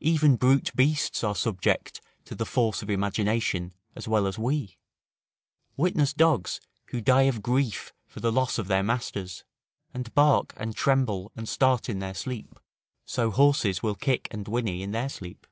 Even brute beasts are subject to the force of imagination as well as we; witness dogs, who die of grief for the loss of their masters; and bark and tremble and start in their sleep; so horses will kick and whinny in their sleep.